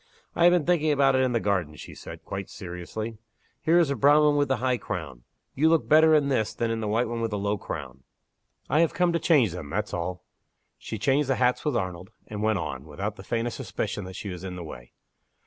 "I have been thinking about it in the garden," she said, quite seriously. "Here is the brown one with the high crown. You look better in this than in the white one with the low crown. I have come to change them, that's all." She changed the hats with Arnold, and went on, without the faintest suspicion that she was in the way.